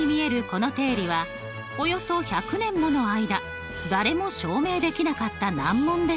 この定理はおよそ１００年もの間誰も証明できなかった難問でした。